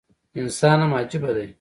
انسان هم عجيبه دی